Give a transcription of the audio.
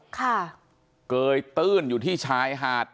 เกยตื้นอยู่ที่ชายหาด